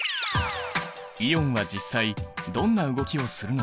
イオンは実際どんな動きをするのか？